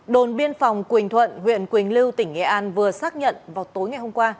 đồn biên phòng quỳnh thuận huyện quỳnh lưu tỉnh nghệ an vừa xác nhận vào tối ngày hôm qua